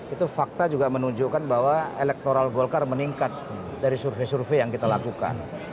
itu fakta juga menunjukkan bahwa elektoral golkar meningkat dari survei survei yang kita lakukan